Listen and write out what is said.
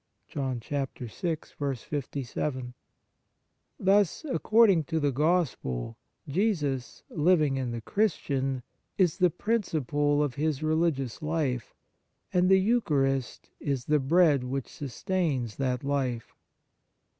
t Thus, according to the Gospel, Jesus, living in the Christian, is the principle of his religious life, and the Eucharist is the bread which sustains that life.